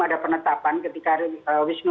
ada penetapan ketika wisnu